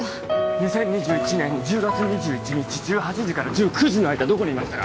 ２０２１年１０月２１日１８時から１９時の間どこにいましたか？